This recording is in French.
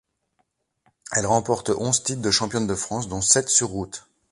Elle remporte onze titres de championne de France, dont sept sur route.